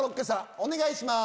お願いします。